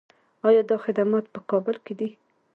آیا دا خدمات په کابل کې دي؟